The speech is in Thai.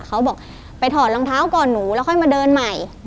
เขาบอกไปถอดรองเท้าก่อนหนูแล้วค่อยมาเดินใหม่